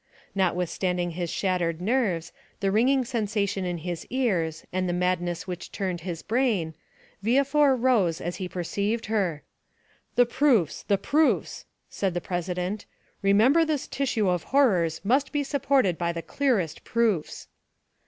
Notwithstanding his shattered nerves, the ringing sensation in his ears, and the madness which turned his brain, Villefort rose as he perceived her. "The proofs, the proofs!" said the president; "remember this tissue of horrors must be supported by the clearest proofs."